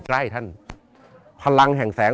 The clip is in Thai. โปรดติดตามต่อไป